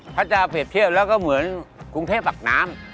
พระเจ้าเปรียบเทียบแล้วก็เหมือนกรุงเทพปากน้ำ